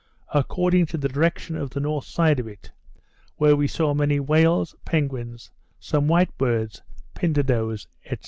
according to the direction of the north side of it, where we saw many whales, penguins, some white birds, pintadoes, &c.